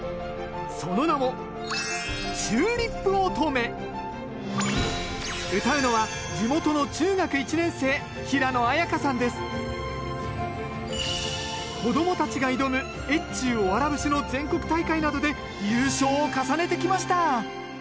その名もうたうのは子供たちが挑む「越中おわら節」の全国大会などで優勝を重ねてきました